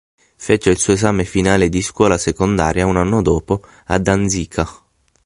Fece il suo esame finale di scuola secondaria un anno dopo a Danzica.